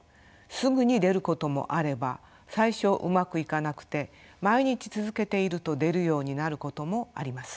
すぐに出ることもあれば最初うまくいかなくて毎日続けていると出るようになることもあります。